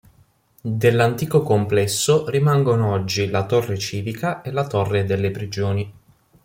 Dell'antico complesso rimangono oggi la "Torre Civica" e la "Torre delle Prigioni".